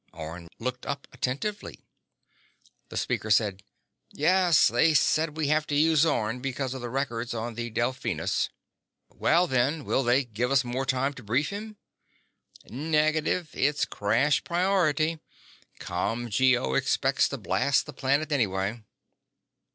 Orne looked up attentively. The speaker said: "Yes. They said we have to use Orne because of the records on the Delphinus." "Well then, will they give us more time to brief him?" "Negative. It's crash priority. ComGO expects to blast the planet anyway."